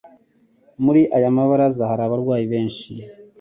Muri ayo mabaraza hari abarwayi benshi,